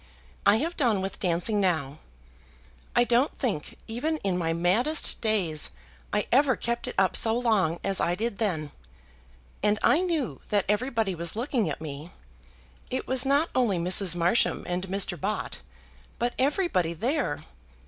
I have done with dancing now. I don't think, even in my maddest days, I ever kept it up so long as I did then. And I knew that everybody was looking at me. It was not only Mrs. Marsham and Mr. Bott, but everybody there.